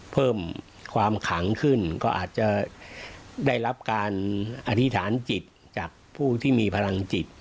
เพิ่มความขังขึ้นก็อาจจะได้รับการอธิษฐานจิตจากผู้ที่มีพลังจิต